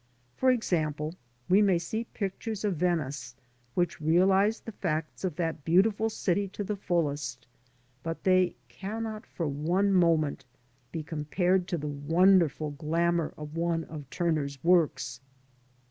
For example, we may see pictures of Venice which realise the facts of that beautiful city to the fullest, but they cannot for one moment be compared to the wonderful glamour of one of Turner's works.